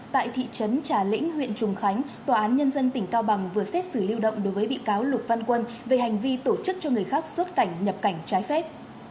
tại thị trấn trà lĩnh huyện trùng khánh tòa án nhân dân tỉnh cao bằng vừa xét xử lưu động đối với bị cáo lục văn quân về hành vi tổ chức cho người khác xuất cảnh nhập cảnh trái phép